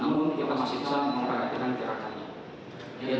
namun kita masih bisa memperhatikan kerakannya